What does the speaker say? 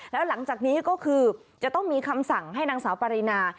แล้วหลังจากนี้ก็คือจะต้องมีคำสั่งให้นางสาวปรินา